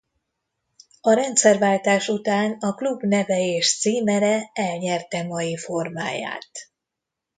A rendszerváltás után a klub neve és címere elnyerte mai formáját.